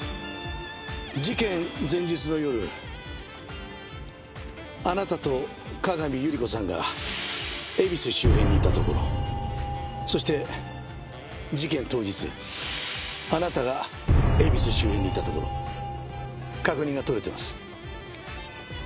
事件前日の夜あなたと各務百合子さんが恵比寿周辺にいたところそして事件当日あなたが恵比寿周辺にいたところ確認が取れてます。